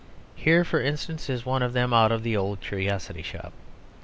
Here for instance is one of them out of The Old Curiosity Shop.